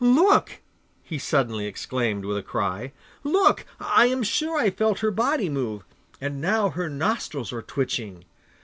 'Look!' he suddenly exclaimed with a cry, 'Look! I am sure I felt her body move! And now her nostrils are twitching.